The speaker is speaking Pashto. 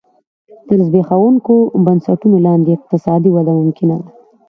تر زبېښونکو بنسټونو لاندې اقتصادي وده ممکنه ده.